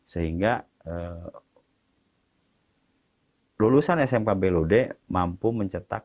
sehingga lulusan smk blod mampu mencetak